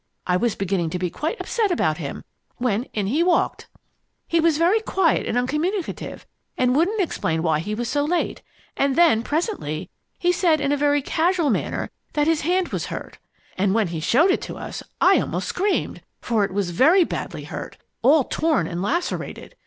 I was beginning to be quite upset about him when in he walked! "He was very quiet and uncommunicative and wouldn't explain why he was so late. And then, presently, he said in a very casual manner that his hand was hurt. And when he showed it to us, I almost screamed, for it was very badly hurt all torn and lacerated.